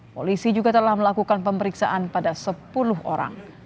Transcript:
polisi juga telah melakukan pemeriksaan pada sepuluh orang